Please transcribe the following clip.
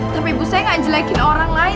tapi ibu saya gak jelekin orang lain